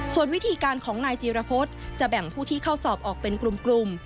ส่วนวิธีการของนายจีรพฤษจะแบ่งผู้ที่เข้าสอบออกเป็นกลุ่ม